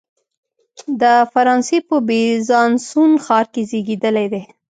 د فرانسې په بیزانسوون ښار کې زیږېدلی دی.